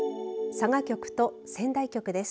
佐賀局と仙台局です。